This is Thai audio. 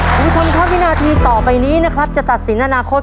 คุณผู้ชมครอบคุณาทีต่อไปนี้นะครับจะตัดศิลป์อนาคกฎ